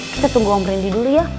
kita tunggu om randy dulu ya